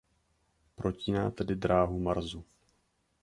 Protíná tedy dráhu Marsu.